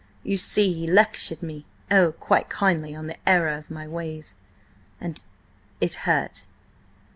You see–he–lectured me–oh! quite kindly–on the error of my ways, and–it hurt."